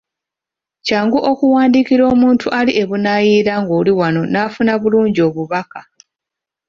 Kyangu okuwandiikira omuntu ali e Bunaayira ng'oli wano n'afuna bulungi obubaka.